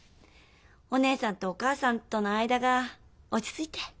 お義姉さんとお母さんとの間が落ち着いて。